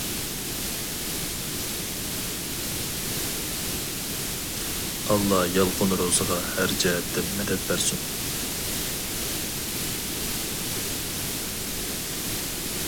ئاللا يالقۇن روزىغا ھەر جەھەتتىن مەدەت بەرسۇن!